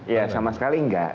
ya sama sekali nggak